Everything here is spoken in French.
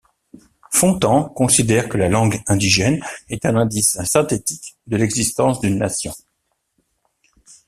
Fontan considère que la langue indigène est un indice synthétique de l'existence d'une nation.